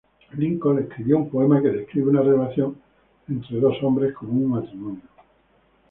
Lincoln escribió un poema que describe una relación entre dos hombres como un matrimonio.